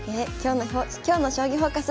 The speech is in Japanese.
今日の「将棋フォーカス」